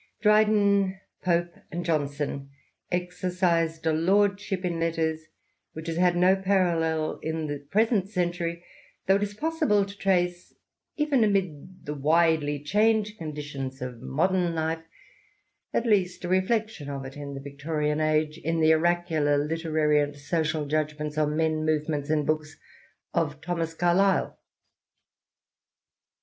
Dryden, Pope, and Johnson exercised a lordship in letters which has had DO parallel in the present century, though it is possible to trace, even amid the widely changed conditions of modern XX INTROD UCTION. life, at least a reflection of it in the Victorian Age, in the oracular literary and social judgments on men, movements, and books of Thomas Carlyle.